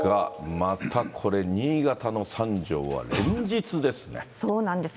またこれ、新潟の三条は連日ですそうなんです。